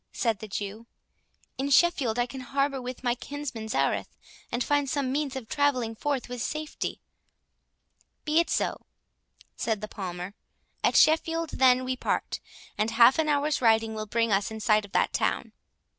said the Jew; "in Sheffield I can harbour with my kinsman Zareth, and find some means of travelling forth with safety." "Be it so," said the Palmer; "at Sheffield then we part, and half an hour's riding will bring us in sight of that town."